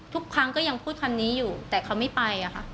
ทุกครั้งก็ยังพูดคำนี้อยู่แต่เขาไม่ไปอะค่ะ